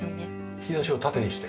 引き出しを縦にして？